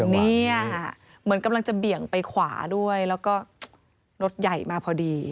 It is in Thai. เนี่ยเหมือนกำลังจะเบี่ยงไปขวาด้วยแล้วก็รถใหญ่มาพอดี